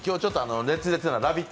熱烈な「ラヴィット！」